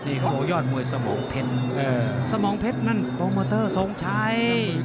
ดิขโบยอดหมวยสมองเพชรสมองเพชรนั้นโปรมเมอเตอร์ส่งใช้